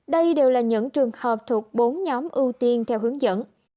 đây đều là những trường hợp thuộc bốn nhóm ưu tiên theo hướng dẫn